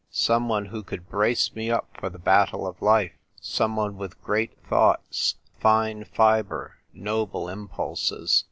Someone who could brace me up for the battle of life ; someone with great thoughts, fine fibre, noble impulses.